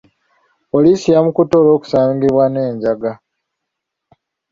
Poliisi yamukutte olw'okusangibwa n'enjaga.